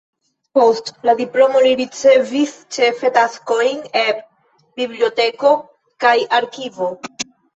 Post la diplomo li ricevis ĉefe taskojn eb biblioteko kaj arkivo.